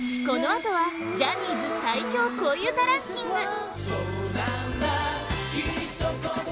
このあとは、ジャニーズ最強恋うたランキング